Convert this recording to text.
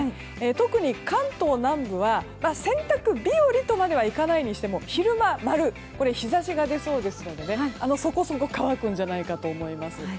特に関東南部は洗濯日和とまではいかないにしても昼間〇日差しが出そうですのでそこそこ乾くんじゃないかと思います。